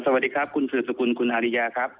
สวัสดีครับคุณสืบสกุลคุณฮาริยาครับ